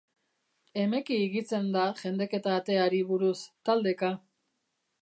Emeki higitzen da jendeketa ateari buruz, taldeka.